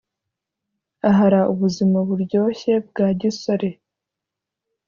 ahara ubuzima buryoshye bwa gisore